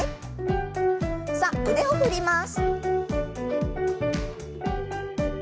さあ腕を振ります。